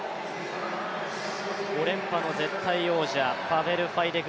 ５連覇の絶対王者、パベル・ファイデク